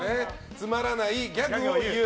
つまらないギャグを言う。